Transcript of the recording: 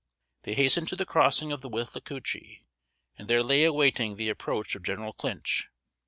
They hastened to the crossing of the Withlacoochee, and there lay awaiting the approach of General Clinch.